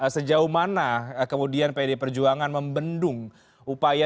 sejauh mana kemudian pd perjuangan membendung upaya